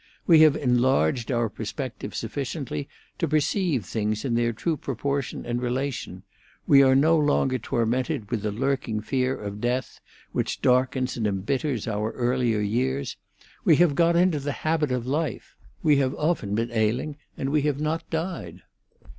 We have enlarged our perspective sufficiently to perceive things in their true proportion and relation; we are no longer tormented with the lurking fear of death, which darkens and embitters our earlier years; we have got into the habit of life; we have often been ailing and we have not died.